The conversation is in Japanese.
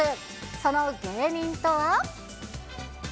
その芸人とは。